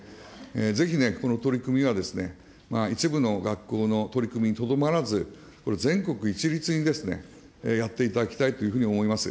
ぜひね、この取り組みは、一部の学校の取り組みにとどまらず、これ、全国一律にやっていただきたいというふうに思います。